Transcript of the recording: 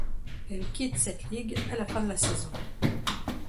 Elles quittent cette ligue à la fin de la saison.